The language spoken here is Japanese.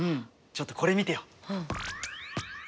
ちょっとこれ見てよ。